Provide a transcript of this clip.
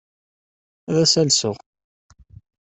Ad as-alseɣ.